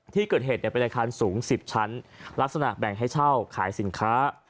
ที่เกิดเหตุเป็นอาคารสูง๑๐ชั้นลักษณะแบ่งให้เช่าขายสินค้า